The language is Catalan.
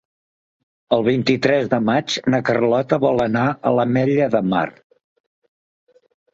El vint-i-tres de maig na Carlota vol anar a l'Ametlla de Mar.